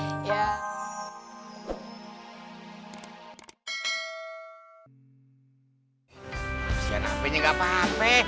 sian hapenya gak apa apa